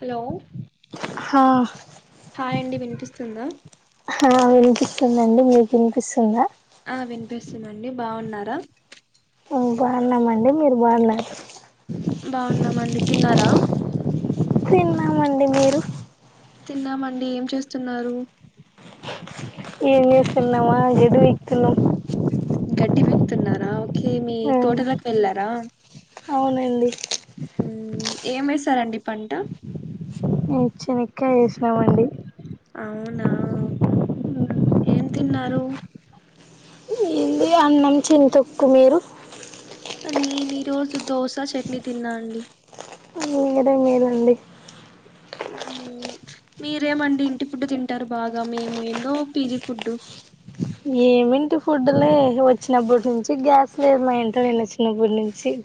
Hello ఆ hi అండి వినిపిస్తుందా హాల్లో వినిపిస్తుందండి మీకు వినిపిస్తుంద ఆ వినిపిస్తుంది అండి బాగున్నార ఆ బాగున్నామండి మీరు బాగున్నా బాగున్నామండి తిన్నార తిన్నామండి మీరు తిన్నామండి ఏం చేస్తున్నారు ఏం చేస్తున్నామా గడ్డి పీకుతున్నాం గడ్డి పెరుకుతున్నారా ఓకే మీ తోటలోకి వెళ్ళార అవునండి ఏమేశారండి పంట మేము చేనికాయ్ ఎసినామండి అవునా ఉ ఉన్నారు ఇది అన్నం చింతొక్కు మీరు నేను ఈ రోజు దోశ చట్నీ తిన్నా అండి మీరే మెలండి మీరేమండి ఇంటి ఫుడ్డు తింటారు బాగ మేము ఏందో పీజీ ఫుడ్ ఏమింటి ఫుడ్లే వచ్చినబుడ్నించి గ్యాస్ లేదు మా ఇంట్లో నేనొచ్చినబుడ్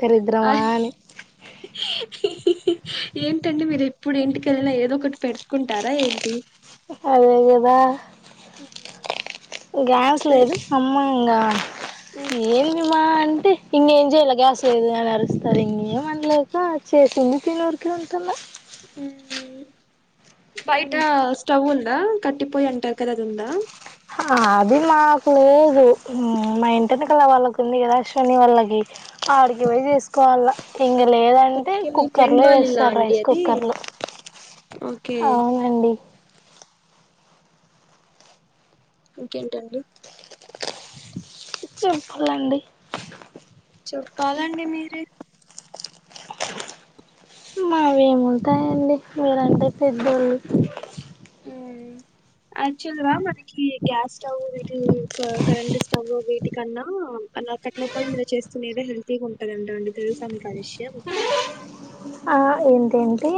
దరిద్రమాని ఏంటండి మీరు ఎప్పుడు ఇంటికెళ్ళినా ఏదో ఒకటి పెట్కుంటారా ఏంటి అదే గదా ఉ గ్యాస్ లేదు అమ్మ ఇంగా ఈ ఏమి మా అంటే ఇంగేం జెయాల గ్యాస్ లేదు అని అరుస్తారు ఇంగేమన్లేక చేసింది తినుడు ట్లుంటున్న మ్మ్ బైట స్టవ్ ఉందా కట్టిపొయ్యి అంటారు కదా అదుందా ఆది మాకు మా ఇంటెనకల వాళ్ళకుంది కదా అశ్వని వాళ్ళకి ఆడికి బొయ్ చేస్ కోవాల ఇంగ లేదంటే ఓకే మీ ఫ్రెండ్ కుక్కర్లో వాళ్ళ ఇల్లా వేస్తారు అండి రైస్ అది కుక్కర్లు ఓకే అవునండి ఇంకేంటండి ఇచ్చెప్పలండి చెప్పాలండి మీరే మావేముంటాయండి మీరంటే పెద్దోళ్ళు మ్మ్ యాక్చువల్గా మనకి గ్యాస్ స్టవ్ వీటి కరెంట్ స్టవ్ వీటి కన్నా అనక్కట్లో పొయ్యి మీద చేస్తునేదే హెల్తీగుంటదంట అండి తెలుసా మీకా విషయం ఆ ఏంటేంటి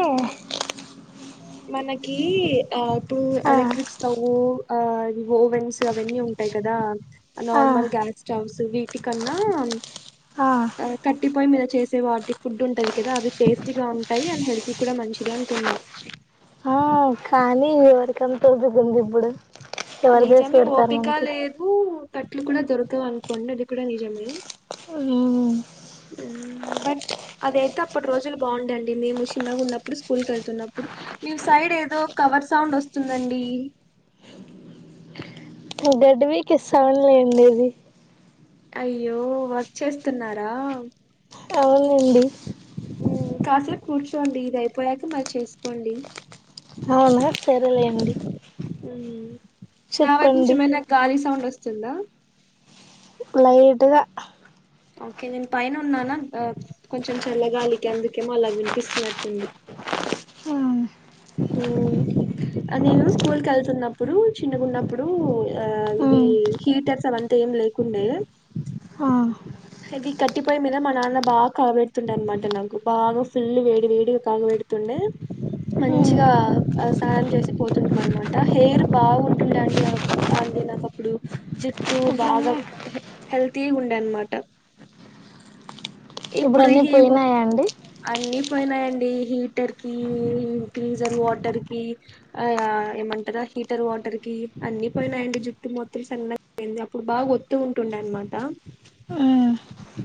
మనకీ ఆ టూ ఆ ఎలక్ట్రిక్ స్టవ్వు ఆ అవి ఓవెన్స్ అవన్నీ ఉంటాయి కదా ఆ నార్మల్ గ్యాస్ స్టవ్స్ వీటికన్నా ఆ కట్టిపొయ్యి మీద చేసే వాటి ఫుడ్ ఉంటది కదా అవి టేస్టీగా ఉంటాయి అండ్ హెల్తీ కూడా మంచిది అంటున్నా ఆ కానీ ఎవరకంత దగుంది ఇబుడు నిజమే ఓపికా లేదు కట్లు కూడా దొరకవనుకోండి అది కుడ నిజమే మ్మ్ మ్మ్ బట్ అదైతే అప్పడు రోజులు బాగుండండి మేము షిన్నగున్నప్పుడు స్కూల్ కెళ్తున్నప్పుడు మీ ఏదో కవర్ సౌండ్ వస్తుందండి మీ బెడ్ వీకి సౌన్ లేండిది అయ్యో వర్క్ చేస్తున్నారా అవునండి కాసేపు కూర్చోండి ఇదైపొయాక మరి చేసుకోండి అవునా సరేలేండి మ్మ్ నా వాట్నించి చెప్పండి ఏమన గాలి సౌండ్ వస్తుందా నలీటుగ ఓకే నేను పైన ఉన్నానా కొంచెం చల్లగాలికి అందుకేమో అలా వినిపిస్తున్నట్టుంది ఒ స ఉం ఆ నేను స్కూల్ కి వెళ్తున్నప్పుడు చిన్నగ ఉన్నప్పుడు ఆ ఇవి హీటర్స్ అవంతా ఏం లేకుండే ఇవి కట్టిపోయి మీద మా నాన్న బాగా కాబెడుతుండే అనమాట నాకు బాగా ఫుల్ వేడి వేడి కాగ తుండే మంచిగా స్నానం చేసి పోతుంటం అనమాట హెయిర్ బాగుంటుంది అండి నాకు అప్పుడు జుట్టు బాగా హెల్తీ ఉండే అనమాట ఇప్పుడన్నీ ఇప్పుడు అన్నీ ఇహు పోయినాయా అండి అన్ని పోయినాయండి హీటర్ కి గ్రీజర్ వాటర్ కి ఆ ఏమంటదా హీటర్ వాటర్ కి అన్ని పోయినాయండి జుట్టు మొత్తం [unintelligible] సన్నయింది అప్పుడు బాగా ఒత్తు ఉంటుండ అనన్నమాట ఆ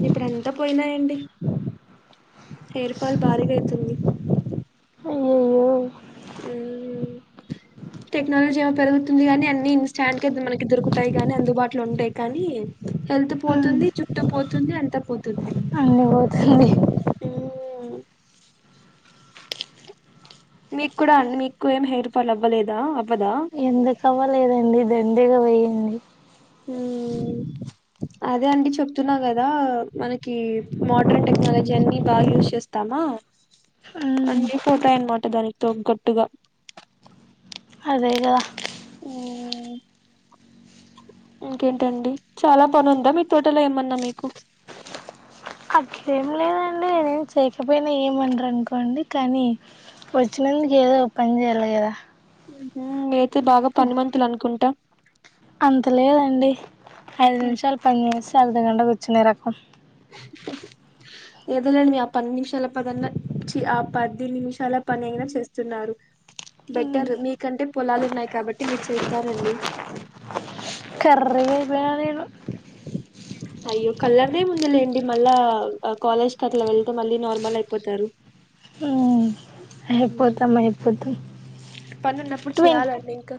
ఇప్పుడు అంతా పోయినాయండి హెయిర్ ఫాల్ భారీగా అయితుంది అయ్యయ్యో ఉం టెక్నాలజీ ఏమో పెరుగుతుంది గాని అన్ని ఇన్స్టాంట్ గా మనకి దొరుకుతాయి గానీ అందుబాటులో ఉంటాయి కానీ హెల్త్ పోతుంది జుట్టూ పోతుంది అంతా పోతుంది అన్ని పోతుంది ఉం మీకు కూడా మీకు ఏం హెయిర్ ఫాల్ అవ్వలేదా అవ్వదా ఎందుకు అవ్వలేదండి దండిగా పొయింది ఉం అదే అండి చెప్తున్నా గదా మనకి మోడ్రన్ టెక్నాలజీ అన్ని బాగా యూస్ చేస్తాము ఆ అన్నీ పోతాయన్నమాట దానికి తగ్గట్టుగా అదేగా ఉమ్, ఇంకేంటండి చాలా పనుందా మీ తోటలో ఏమన్నా మీకు ఏమి లేదండి నేను చేయకపోయినా ఏమన్ ర రనుకోండి కానీ వచ్చినందుకు ఏదో ఒక పని చేయాలి గదా హు హమ్ అయితే బాగా పనిమంతులు అనుకుంటా అంత లేదండి ఐదు నిమిషాలు పని చేసి అర్ధ గంట కూర్చునే రకం ఎదో లేండి ఆ పది నిమిషాల పనన్న చి ఆ పది నిమిషాల పని అయినా చేస్తున్నారు బెట్టర్ మీకంటే పొలాలు ఉన్నాయి కాబట్టి మీరు చేస్తారండి కర్రీ గా అయిన నేను అయ్యో కలర్దే ముందులేండి మళ్ళా కాలేజ్కి అట్లా వెళ్తే మళ్ళీ నార్మల్ అయిపోతారు హా ఉమ్, అయిపోతాం అయిపోతాం పని ఉన్నప్పుడు ట్వంటీ చేయ్యాలండి ఇంక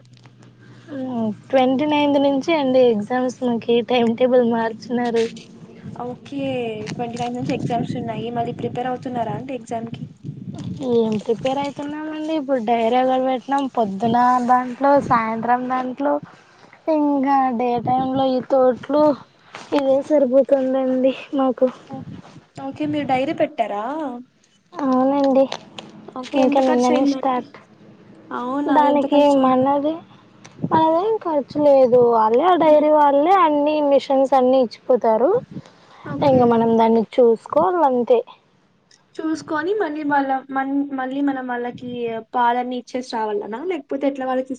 ట్వంటీ నైన్త్ నుంచి అండి ఎగ్జామ్స్ మాకి టైమ్ టేబుల్ మార్చున్నారు ఓకే ట్వంటీ నైన్ నుంచి ఎగ్జామ్స్ ఉన్నాయి మళ్ళీ ప్రిపేర్ అవుతున్నారా అండి ఎగ్జామ్ కి ఏం ప్రిపేర్ అయితున్నామండి ఇప్పుడు డైర్యాగా పె [unintelligible] పొద్దున దాంట్లో సాయంత్రం దాంట్లో ఇం నా డే టై లో ఈ తోట్లు ఇదే సరిపోతుందండి మాకు [unintelligible] కు ఓకే మీరు డైరీ పెట్టారా అవునండి ఓకే ఇంకా ఎంత ఖర్చు నిన్ననే అయిందండి స్టార్ట్ అవునా ఎంత దానికి ఖర్చు ఏమ్ అయింది అన్నది మనదేం ఖర్చు లేదు వాలే ఆ డైరీ వాలే అన్ని మిషన్స్ అన్ని ఇచ్చిపోతారు ఓకే ఇంకా మనం దాన్ని చూసి చుస్కోల్ అంతే చూసుకొని మళ్ళీ వాళ్ళ మ మళ్ళీ మనం వాళ్ళకి పాలన్ని ఇచ్చేసి రావాలనా లేక పోతే ఎట్ల వాళకి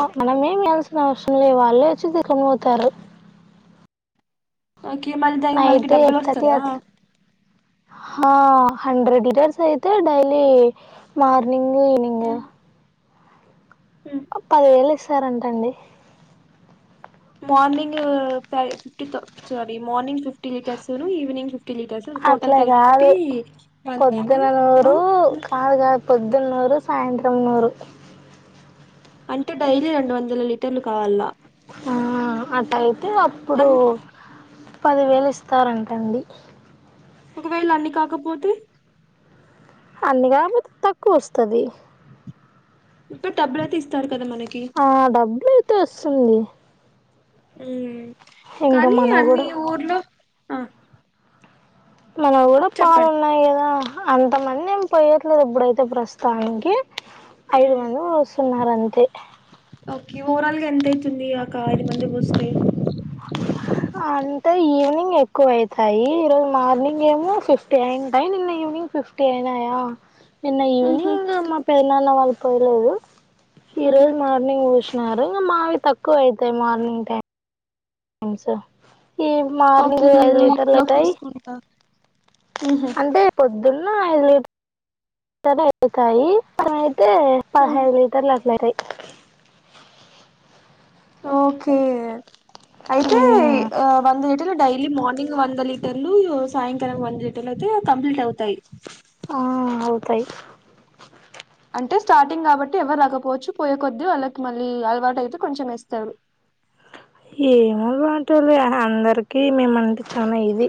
ఆ మనమేమి ఇయాల్సిన అవసరం లే వాల్లే వచ్చి తీస్కొనిపోతారు ఓకే మళ్ళీ దానికి మనకి నైటే డబ్బులు ఎయిట్ తర్టీ వస్తదా అట్ల హా హండ్రెడ్ లీటర్స్ అయితే డైలీ మార్నింగు ఈవినింగ్ పదివేలు ఇస్తారంటండి మార్నింగు ఫైవ్ ఫిఫ్టితో సారీ మార్నింగ్ ఫిఫ్టీ లీటర్స్ ను ఈవినింగ్ ఫిఫ్ అట్ల కాదు పొద్దున వందనా నూరు కాదు కాదు పొద్దున్నూరు సాయంత్రం నూరు అంటే డైలీ రెండు వందల లీటర్లు కావాల ఆ అట్ అయితే అ అప్పుడు పదివేలిస్తారంటండి ఒకవేళ అన్ని కాకపోతే అన్ని కాకపొతే తక్కువ వస్తది డబ్బులయితే ఇస్తారు కదా మనకి ఆ డబ్బులయితే వస్తుంది ఇంకా కానీ మనం అన్ని కూడా ఊర్లో ఆ మనవి కూడా పాలు చెప్పండి ఉన్నాయి కదా అంతమంది ఏం పోయట్లేదు ఇప్పుడైతే ప్రస్తుతానికి ఐదు ఉమ్. మంది పోస్తున్నారు అంతే ఓకే ఓవరాల్ గా ఎంత అయితుంది ఒక ఐదు మంది పోస్తే అంటే ఈవినింగ్ ఎక్కువ అయితాయి ఈ రోజు మార్నింగ్ ఏమో ఫిఫ్టీ అయింటాయి నిన్న నింగ్ ఫిఫ్టీ అయినాయా నిన్న ఈవినింగ్ మా పెద నాన్న వాళ్ళు పోయలేదు ఈరోజు మార్నింగ్ పోష్ నారు ఇంగ మావి తక్కువ అయితాయి మార్నింగ్ టైం టైమ్స్ ఈ ఓకే మార్నింగ్ ఐదు మీరు లీటర్లు ఇంట్లోకి అయితాయి తీసుకుంటా అంటే పొద్దున్న ఐదు లీటర్లు అయితాయి ఐతే పదహైదు లీటర్లు అట్ల అయితాయ్ ఓకే అయితే ఈ మ్మ్ వంద్ డైలీ మార్నింగ్ వంద లీటర్లు సాయంకాలం వంద లీటర్లు అయితే కంప్లీట్ అవుతాయి ఆ అవుతాయి అంటే స్టార్టింగ్ కాబట్టి ఎవరు రాకపోవచ్చు పోయే కొద్దీ వాళ్ళకి మళ్ళీ అలవాటు అయితే కొంచెం ఏస్తరు ఏమో వాల్తోలే అందరికి మేమంటే చాల ఇది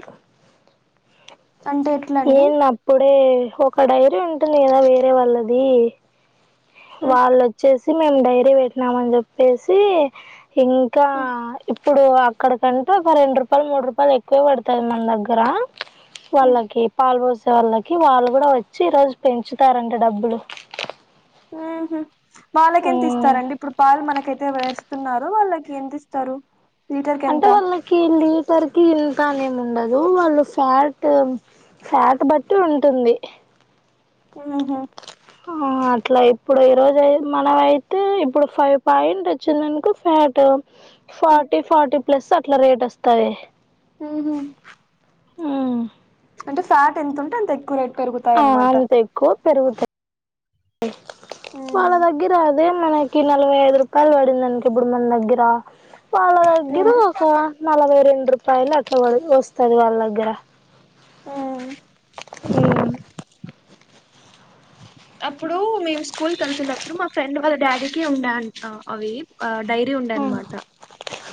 అంటే ఎట్లా అండి ఏంది అప్పుడే ఒక డైరీ ఉంటుంది కదా వేరే వాళ్ళది వాళ్లోచ్చేసి మేము డైరీ పెట్టినామని చెప్పేసి ఇంకా ఇ ఇప్పుడు అక్కడ కంటే ఒక రెండు రూపాయలు మూడు రూపాయలు ఎక్కువే పడుతది మన దగ్గర వాళ్లకి పాలు పోసే వాళ్ళకి వాళ్ళు కూడా వచ్చి ఈ రోజు పెంచుతారంటే డబ్బులు హుమ్ హు వాళ్ళకెంత ఇస్తారండి ఇప్పుడు పాలు మనకైతే వేస్తున్నారు వాళ్ళకి ఎంత ఇస్తారు లీటర్కి అంటే ఎంత వాళ్ళకి లీటర్ కి ఇంతనేమి ఉండదు వాళ్ళు ఫ్యాట్ ఫ్యాట్ బట్టి ఉంటుంది ఆహా ఆ అట్లా ఇప్పుడు ఈ రోజు మనమైతే ఇప్పుడు ఫైవ్ పాయింట్ వచ్చిందనుకో అటు ఫార్టీ ఫార్టీ ప్లస్ అట్లా రేట్ వస్తాది ఆహ మ్మ్ అంటే ఫ్యాట్ ఎంత ఉంటే అంత ఎక్కువ రేట్ పెరుగుతాయి ఆ అన్నమాట అంత ఎక్కువ పెరుగుతయ్ వాళ్ళ మ్మ్. దగ్గర అదే మనయి కి నలభై ఐదు రూపాయలు పడిందనుకో ఇప్పుడు మన దగ్గర వాళ్ళ దగ్గర మ్మ్. ఒక నలభై రెండు రూపాయలు అట్ల పడి వస్తాది వాళ్ళ దగ్గర ఆ ఉమ్ అప్పుడు మేము స్కూల్ కి వెళ్తున్నప్పుడు మా ఫ్రెండ్ వాళ్ళ డాడీకి ఉండే అంట అవి డైరీ ఉండే అనమాట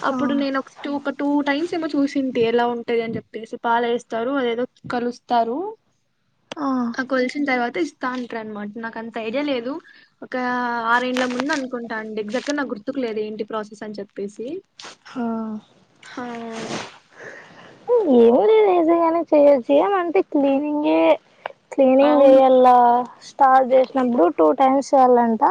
అప్పుడు ఆ నేను ఒక స్టూ ఒక టూ టైమ్స్ సేమో చూసింటే ఎలా ఉంటది అని చెప్పేసి పాలు వేస్తారు అదేదో కలుస్తారు ఆ కొలిసిన తర్వాత ఇస్తాన్ అట్ల అన్మాట నాకు అంత ఐడియా లేదు ఒక ఆరేండ్ల ముందు అనుకుంటా అండి ఎగ్జాక్ట్ గా నాకు గుర్తుకు లేదు. ఏంటి ప్రాసెస్ అని చెప్పేసి హా ఆ ఏమో లే ఈజీగానే చెయ్యొచ్చు ఏమంటే క్లీనింగే క్లీనింగ్ అవును చెయ్యల్లా స్టార్ట్ చేసినప్పుడు టూ టైమ్స్ చేయాలంట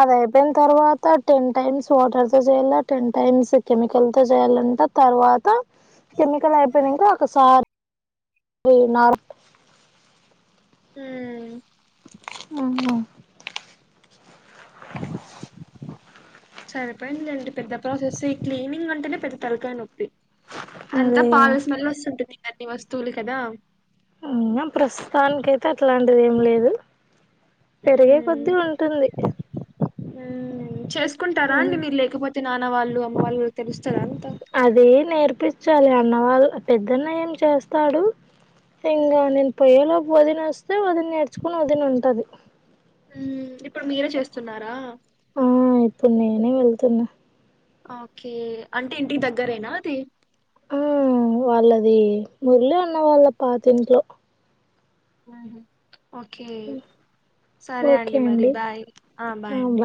అది అయిపోయిన తర్వాత టెన్ టైమ్స్ వాటర్ తో చేయాలా టెన్ టైమ్స్ కెమికల్ తో చేయాలంట తర్వాత కెమికల్ అయిపోయినాంక ఒక సార్ యునార్ హ్మ్ మ్మ్ హ్మ్ సరిపోయింది లేండి పెద్ద ప్రాసెస్ ఈ క్లీనింగ్ అంటేనే పెద్ద తలకాయి నొప్పి అంతా అదే పాల స్మెల్ వస్తుంటుది ఇంగ అన్ని వస్తువులు కదా ఇంగా ప్రస్తుతానికైతే అట్లాంటిది ఏం లేదు పెరిగే కొద్దీ ఉంటుంది మ్మ్ చేసుకుంటారా అండి మీరు లేకపోతే నాన్న వాళ్ళు అమ్మ వాళ్ళు తెలుస్ అది నేర్పిచ్చాలి అన్నవాళ్ళు పెద్దన్నయ్య ఏం చేస్తాడు ఇంగా నేను పొయ్యే లోపు వదిన వస్తే వదిన నేర్చుకొని వదిన ఉంటది ఉమ్ ఇప్పుడు మీరే చేస్తున్నారా ఆ ఇప్పుడు నేనే వెళ్తున్నా ఓకే అంటే ఇంటికి దగ్గరేనా అది మ్మ్ వాళ్ళది మురళీ అన్న వాళ్ళ పాతింట్లో మ్ హ్మ్ ఓకే సరే అండి మరి బాయ్ ఆ బాయ్ అండి